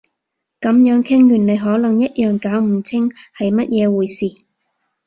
噉樣傾完你可能一樣搞唔清係乜嘢回事